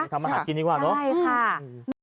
ทำอาหารกินดีกว่าเนาะ